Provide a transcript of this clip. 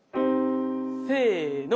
せの。